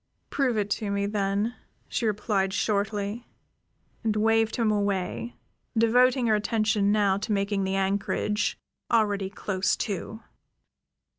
"Prove it to me, then," she replied shortly, and waved him away, devoting her attention now to making the anchorage, already close to.